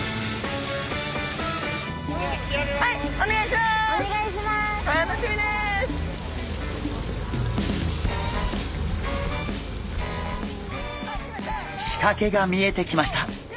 しかけが見えてきました！